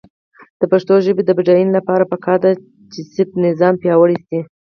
د پښتو ژبې د بډاینې لپاره پکار ده چې صرفي نظام پیاوړی شي.